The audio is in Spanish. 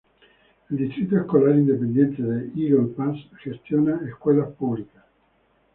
El Distrito Escolar Independiente de Eagle Pass gestiona escuelas públicas.